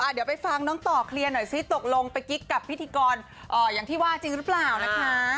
เดี๋ยวไปฟังน้องต่อเคลียร์หน่อยซิตกลงไปกิ๊กกับพิธีกรอย่างที่ว่าจริงหรือเปล่านะคะ